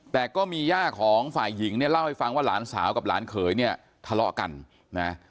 แต่ก็มีย่าของฝ่ายหญิงเนี่ยเล่าให้ฟังว่าหลานสาวกับหลานเขยเนี่ยทะเลาะกันนะ